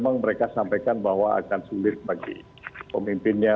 ada hal yang mereka sampaikan bahwa akan sulit bagi pemimpinnya